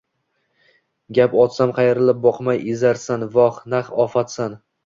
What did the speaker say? Gap otsam qayrilib boqmay, ezarsan, voh, naq ofatsan.